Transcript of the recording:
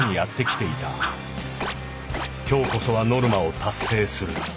今日こそはノルマを達成する。